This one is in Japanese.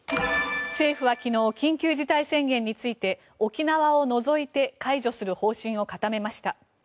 政府は昨日緊急事態宣言について沖縄を除いて解除する方針を固めました。